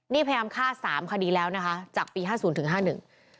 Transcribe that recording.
นี่พยายามฆ่าสามคดีแล้วนะคะจากปีห้าศูนย์ถึงห้าหนึ่ง